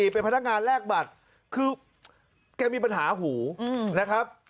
เป็นพนักงานแลกบัตรคือแกมีปัญหาหูนะครับ